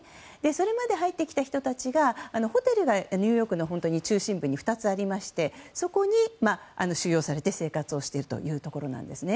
それまで入ってきた人たちがホテルがニューヨークの中心部に２つありましてそこに収容されて生活をしているということなんですね。